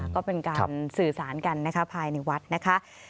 ก็เป็นการสื่อสารกันนะคะภายในวัดนะคะ